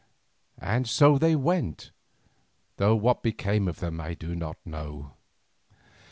And so they went, though what became of them I do not know.